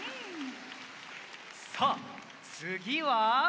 さあつぎは。